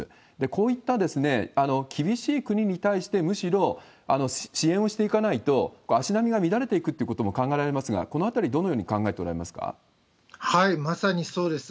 こういった厳しい国に対して、むしろ支援をしていかないと、足並みが乱れていくということも考えられますが、このあたりどのまさにそうです。